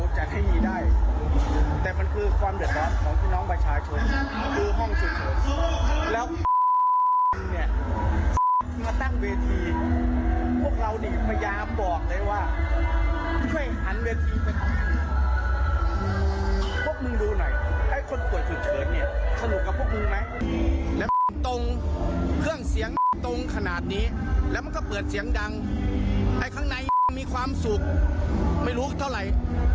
ใช่แต่มันคือความเดือดร้อนของพี่น้องประชาชนคือห้องชุดเฉินแล้วเนี่ยมาตั้งเวทีพวกเราดีมายามบอกเลยว่าไม่ค่อยหันเวทีไปพวกมึงดูหน่อยไอ้คนป่วยชุดเฉินเนี่ยขนาดนี้แล้วมันก็เปิดเสียงดังไอ้ข้างในมีความสุขไม่รู้เท่าไหร่